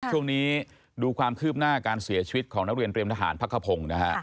ช่วงนี้ดูความคืบหน้าการเสียชีวิตของนักเรียนเตรียมทหารพักขพงศ์นะฮะ